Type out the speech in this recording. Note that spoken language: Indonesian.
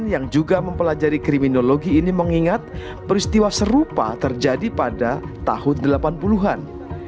yang juga mempelajari kriminologi ini mengingat peristiwa serupa terjadi pada tahun delapan puluh an